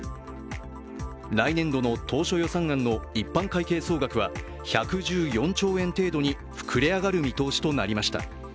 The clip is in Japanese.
来年度の当初予算案の一般会計総額は１１４兆円程度に膨れ上がる見通しとなりました。